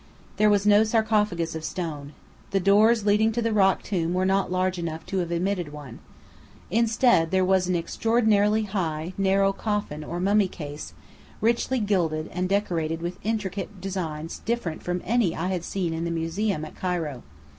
There was no sarcophagus of stone. The doors leading to the rock tomb were not large enough to have admitted one. Instead, there was an extraordinarily high, narrow coffin or mummy case, richly gilded, and decorated with intricate designs different from any I had seen in the museum at Cairo.